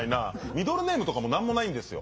ミドルネームとかも何もないんですよ。